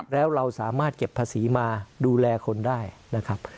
แล้วเราสามารถเก็บภาษีมาดูแลคนได้นะครับ